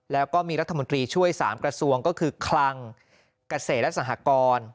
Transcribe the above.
แล้วก็มีรัฐมนตรีช่วย๓กระทรวงก็คือคลังเกษตรและสหกร